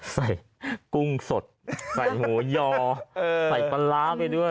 กุ้งสดใส่หมูยอใส่ปลาร้าไปด้วย